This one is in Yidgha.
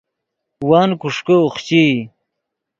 ون کوݰکے اوخچئی